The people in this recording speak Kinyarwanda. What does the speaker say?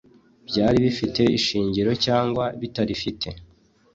byari bifite ishingiro cyangwa bitarifite